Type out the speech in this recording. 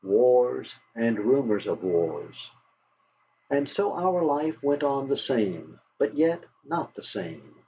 WARS AND RUMORS OF WARS And so our life went on the same, but yet not the same.